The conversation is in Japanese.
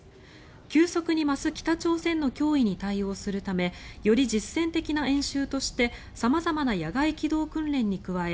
急速に増す北朝鮮の脅威に対応するためより実践的な演習として様々な野外機動訓練に加え